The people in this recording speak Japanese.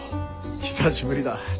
久しぶりだ。